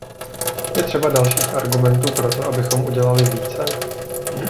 Je třeba dalších argumentů pro to, abychom udělali více?